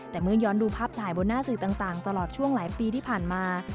แต่เมื่อย้อนดูภาพถ่ายบนหน้าสื่อต่างตลอดช่วงหลายปีที่ผ่านมา